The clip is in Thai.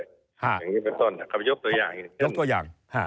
อย่างนี้เป็นต้นครับยกตัวอย่าง